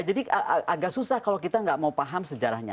jadi agak susah kalau kita nggak mau paham sejarahnya